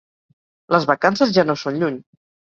Les vacances ja no són lluny.